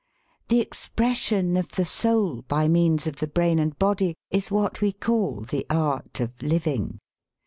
The expression of the soul by means of the brain and body is what we call the art of 'living.'